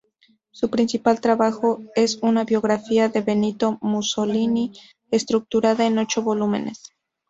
Su principal trabajo es una biografía de Benito Mussolini, estructurada en ocho volúmenes.